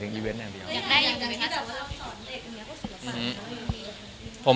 ทุกวันเลยครับผม